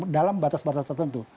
dalam batas batas tertentu